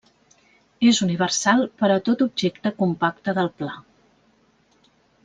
És universal per a tot objecte compacte del pla.